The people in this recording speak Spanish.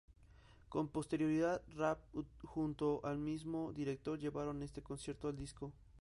Con posterioridad, Rapp junto al mismo director llevaron este concierto al disco.